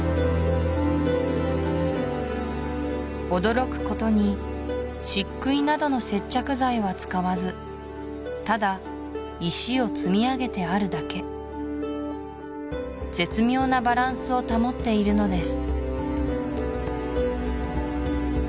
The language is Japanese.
驚くことに漆喰などの接着剤は使わずただ石を積み上げてあるだけ絶妙なバランスを保っているのです